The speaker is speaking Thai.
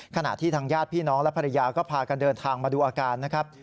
ขณะที่ทางญาติพี่น้องและภรรยาก็พากันเดินทางมาดูอาการนะครับ